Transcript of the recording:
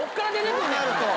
そうなると。